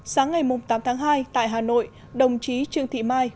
sáng ngày tám tháng hai tại hà nội đồng chí trương thị mai